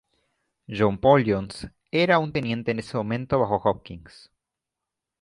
John Paul Jones era un teniente en este momento bajo Hopkins.